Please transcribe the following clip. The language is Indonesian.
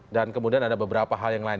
dan kemudian ada beberapa hal yang lain